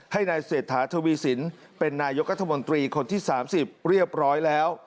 ให้นายเศรษฐาทวีสินเป็นนายกรัฐมนตรีคนที่๓๐เรียบร้อยแล้ว